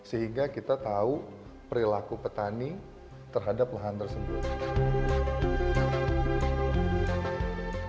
sehingga kita tahu perilaku petani terhadap lahan tersebut